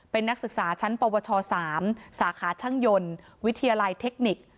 เป็นนักศึกษาชั้นปวช๓สาขาช่างยนต์วิทยาลัยเทคนิค